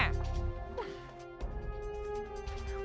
ปู